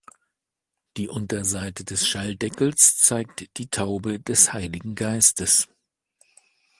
Die Unterseite des Schalldeckels zeigt die Taube des Heiligen Geistes.